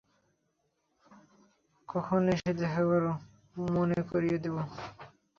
কখনও এসে দেখা কর, মনে করিয়ে দিবো।